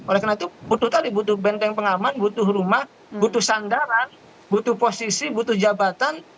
oleh karena itu butuh tadi butuh benteng pengaman butuh rumah butuh sandaran butuh posisi butuh jabatan